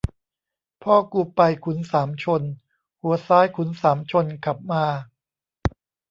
พ่อกูไปขุนสามชน หัวซ้ายขุนสามชนขับมา